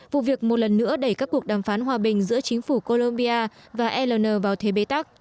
vụ việc một lần nữa đẩy các cuộc đàm phán hòa bình giữa chính phủ colombia và ln vào thế bế tắc